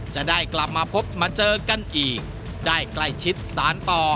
จะได้กลับมาพบมาเจอกันอีกได้ใกล้ชิดสารต่อ